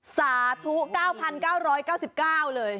สาธุ๙๙๙๙๙เลย